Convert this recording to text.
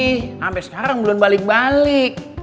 sampai sekarang belum balik balik